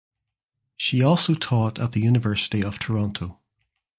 She also taught at the University of Toronto.